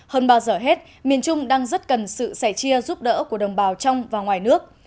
hơn bao giờ hết miền trung đang rất cần sự sẻ chia giúp đỡ của đồng bào trong và ngoài nước